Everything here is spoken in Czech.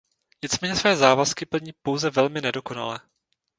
Nicméně své závazky plní pouze velmi nedokonale.